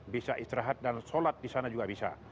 bisa istirahat dan sholat di sana juga bisa